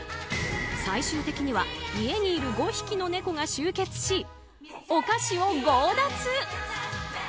最終的には家にいる５匹の猫が集結し、お菓子を強奪。